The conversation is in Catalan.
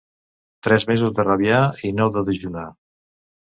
Tres mesos de rabiar i nou de dejunar.